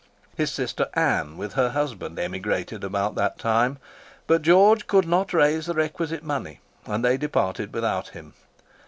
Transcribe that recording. His sister Ann, with her husband, emigrated about that time, but George could not raise the requisite money, and they departed without him.